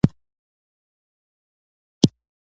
واورئ برخه د پښتو ژبې د غږونو د اصولو ارزونه ممکنوي.